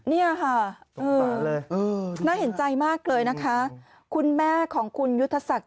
เนี่ยค่ะน่าเห็นใจมากเลยนะคะคุณแม่ของคุณยุทธศักดิ